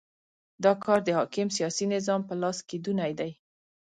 دا کار د حاکم سیاسي نظام په لاس کېدونی دی.